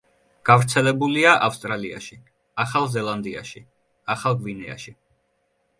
გავრცელებულია ავსტრალიაში, ახალ ზელანდიაში, ახალ გვინეაში.